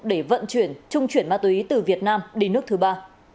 để vận chuyển trung chuyển ma túy từ việt nam đi nước thứ ba